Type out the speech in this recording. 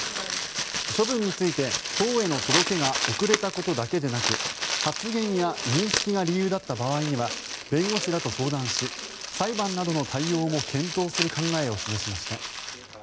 処分について、党への届けが遅れたことだけでなく発言や認識が理由だった場合には弁護士らと相談し裁判なども対応を検討する考えを示しました。